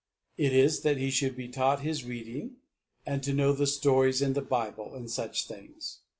It is that he should be taught his reading and to know the stories in the Bible and such things."